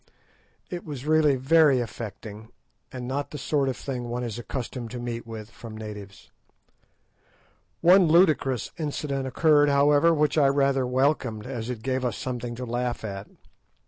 It was really very affecting, and not the sort of thing one is accustomed to meet with from natives. One ludicrous incident occurred, however, which I rather welcomed, as it gave us something to laugh at.